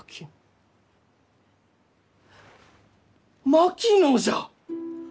槙野じゃ！